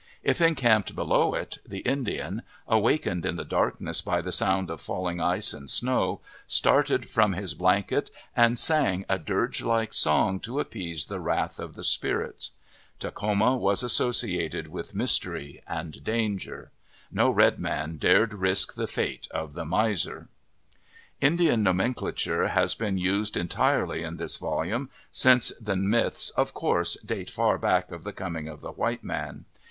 If encamped below it, the Indian, awakened in the dark ness by the sound of falling ice and snow, started from his blanket and sang a dirge like song to appease the wrath of the spirits. Takhoma was associated with Vlll PREFACE mystery and danger. No red man dared risk the fate of the miser. Indian nomenclature has been used entirely in this volume, since the myths, of course, date far back of the coming of the white man.